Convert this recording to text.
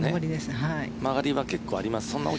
曲がりはあります？